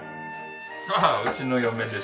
ああうちの嫁です。